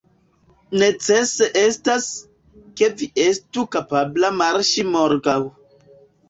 Necese estas, ke vi estu kapabla marŝi morgaŭ.